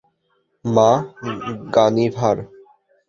মা, গানিভ্যার!